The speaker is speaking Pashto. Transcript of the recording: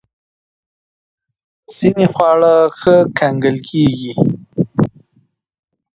ځینې خواړه ښه کنګل کېږي.